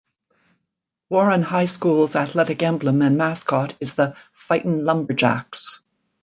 Warren High School's athletic emblem and mascot is The Fightin' Lumberjacks.